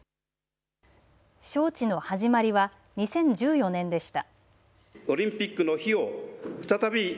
招致の始まりは２０１４年でした。